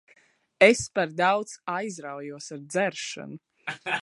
Es par daudz aizraujos ar dzeršanu.